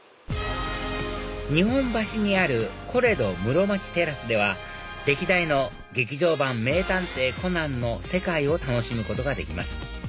日本橋にあるコレド室町テラスでは歴代の劇場版『名探偵コナン』の世界を楽しむことができます